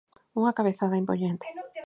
Unha cabezada impoñente.